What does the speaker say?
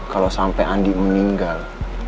kalo sampe andi meninggal